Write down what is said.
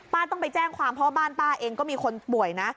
ต้องไปแจ้งความเพราะว่าบ้านป้าเองก็มีคนป่วยนะ